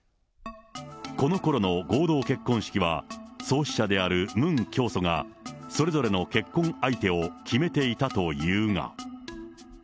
このころの合同結婚式は、創始者であるムン教祖がそれぞれの結婚相手を決めていたというが。